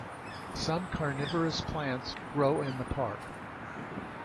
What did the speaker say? Some carnivorous plants grow in the park.